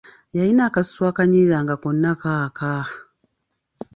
Yalina akasusu akanyirira nga konna kaaka!